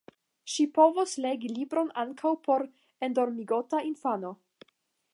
Ŝi povos legi libron ankaŭ por endormigota infano.